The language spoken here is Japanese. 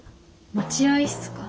待合室か。